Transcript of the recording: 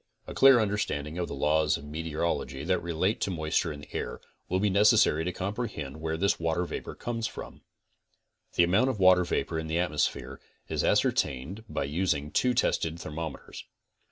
A clear understanding of the laws of meteorology that relate 38 CONSTRUCTIVE BEEKEEPING to moisture in the air, will be necessary to comprehend where this water vapor comes from. The amount of water vapor in the atmosphere is ascertained by using two tested thermometers.